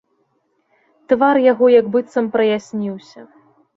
Твар яго як быццам праясніўся.